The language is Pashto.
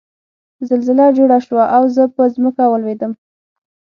زلزله جوړه شوه او زه په ځمکه ولوېدم